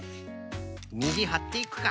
にじはっていくか。